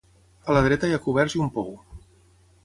A la dreta hi ha coberts i un pou.